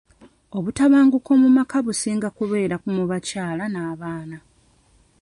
Obutabanguko mu maka businga kubeera mu bakyala n'abaana.